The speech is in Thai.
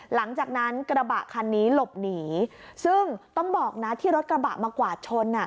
กระบะคันนี้หลบหนีซึ่งต้องบอกนะที่รถกระบะมากวาดชน